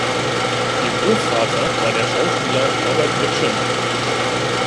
Ihr Großvater war der Schauspieler Robert Mitchum.